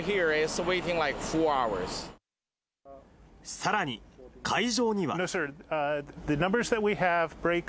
さらに、海上には。